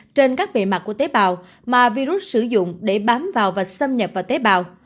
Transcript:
trên các bề mặt của tế bào mà virus sử dụng để bám vào và xâm nhập vào tế bào